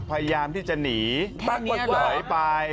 พยายามที่จะหนีก็ถอยไป